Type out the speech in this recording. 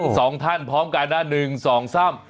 สองท่านพร้อมกันนะหนึ่งสองสาม